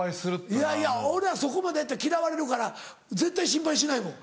いやいや俺はそこまでやったら嫌われるから絶対心配しないもん。